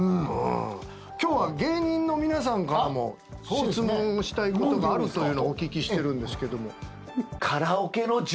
今日は芸人の皆さんからも質問したいことがあるとお聞きしてるんですけど。